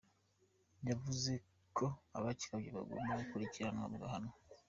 Yavuze ko abakigabye bagomba gukurikiranwa bagahanwa.